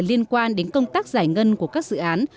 liên quan đến công tác giải ngân của các dự án